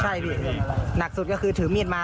ใช่พี่หนักสุดก็คือถือมีดมา